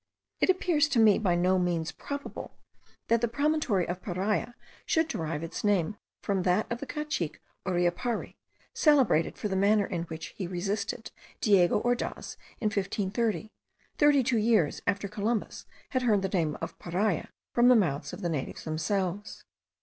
It appears to me by no means probable, that the promontory of Paria should derive its name from that of a cacique Uriapari, celebrated for the manner in which he resisted Diego Ordaz in 1530, thirty two years after Columbus had heard the name of Paria from the mouths of the natives themselves.